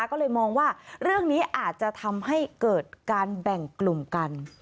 ก็เลยมองว่าเรื่องนี้อาจจะทำให้เกิดการแบ่งกลุ่มกัน